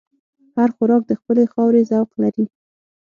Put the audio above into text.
هر خوراک د خپلې خاورې ذوق لري.